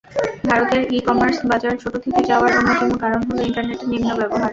ভারতে ই-কমার্স বাজার ছোট থেকে যাওয়ার অন্যতম কারণ হলো ইন্টারনেটের নিম্ন ব্যবহার।